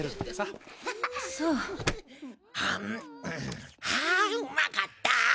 あうまかった。